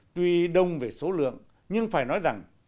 tuy đông về số lượng nhưng phải nói rằng